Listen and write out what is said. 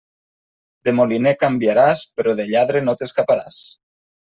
De moliner canviaràs, però de lladre no t'escaparàs.